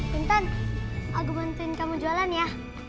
pintan aku bantuin kamu jualan ya